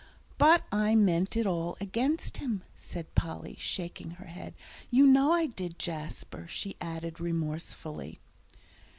"But I meant it all against him," said Polly, shaking her head. "You know I did, Jasper," she added remorsefully.